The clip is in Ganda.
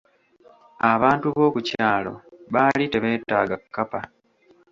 Abantu b'okukyalo baali tebeetaaga kkapa.